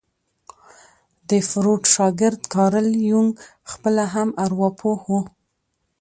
د فروډ شاګرد کارل يونګ خپله هم ارواپوه وو.